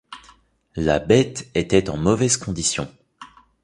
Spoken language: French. La bête était en mauvaise condition.